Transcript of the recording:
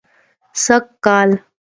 سږ کال